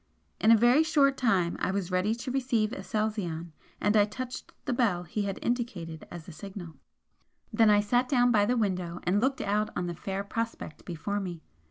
In a very short time I was ready to receive Aselzion, and I touched the bell he had indicated as a signal. Then I sat down by the window and looked out on the fair prospect before me.